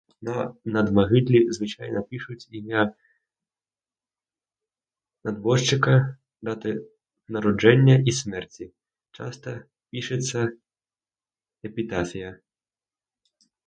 На надмагіллі звычайна пішуць імя нябожчыка, даты нараджэння і смерці, часта пішацца эпітафія.